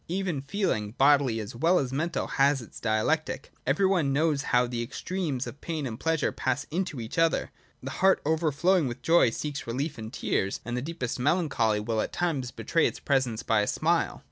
Even feeling, bodily as well as mental, has its Dialectic. Every one knows how the extremes of pain and pleasure pass into each other : the heart overflow l ing with joy seeks relief in tears, and the deepest melan 1 choly will at times betray its presence by a smile.